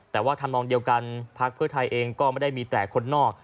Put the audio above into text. แต่ว่าทำนองเดียวกันพักเพื่อไทยเองก็ไม่ได้มีแต่คนนอก